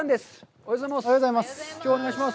おはようございます。